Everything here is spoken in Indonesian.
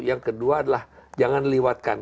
yang kedua adalah jangan liwatkan